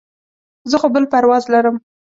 زه خو بل پرواز لرم.